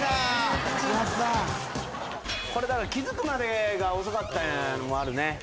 これだから気付くまでが遅かったのもあるね。